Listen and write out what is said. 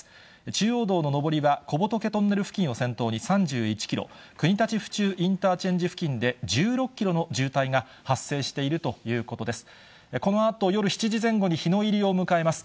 中央道の上りは小仏トンネル付近を先頭に３１キロ、国立府中インターチェンジ付近で１６キロの渋滞が発生しているとお願いします。